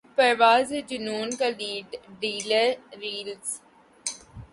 پرواز ہے جنون کا trailer release